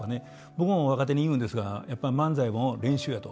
僕も若手に言うんですがやっぱ漫才も練習やと。